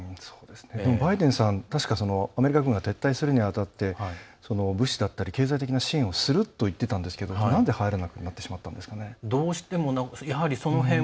バイデンさん、確かアメリカ軍が撤退するに当たって物資だったり、経済的な支援をすると言っていたんですがなんで入らなくなってしまったんですかね。